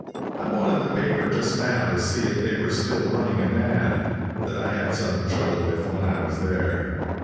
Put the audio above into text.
I wanted the paper just now to see if they were still running an ad. that I had some trouble with when I was there.